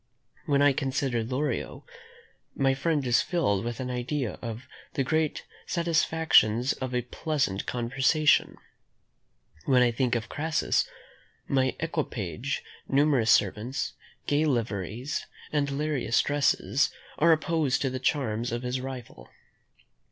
When I consider Lorio, my mind is filled with an idea of the great satisfactions of a pleasant conversation. When I think of Crassus, my equipage, numerous servants, gay liveries, and various dresses, are opposed to the charms of his rival.